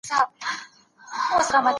پرشتو ادم ته د درناوي سجده وکړه.